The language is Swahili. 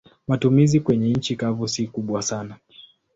Matumizi kwenye nchi kavu si kubwa sana.